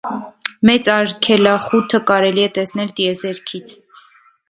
Մեծ արգելախութը կարելի է տեսնել տիեզերքից։